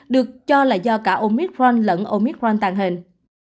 được cho là do cả omicron lẫn omicron tàng hình